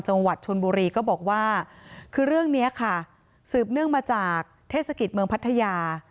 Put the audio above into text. จังหวัดชนบุรีก็บอกว่าคือเรื่องนี้ค่ะสืบเนื่องมาจากเทศกิจเมืองพัทยา